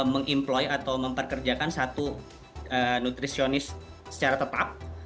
meng employ atau memperkerjakan satu nutritionist secara tetap